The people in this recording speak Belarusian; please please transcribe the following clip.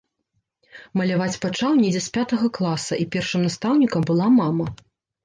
Маляваць пачаў недзе з пятага класа, і першым настаўнікам была мама.